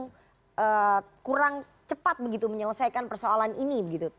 kenapa kementerian agama cenderung kurang cepat begitu menyelesaikan persoalan ini begitu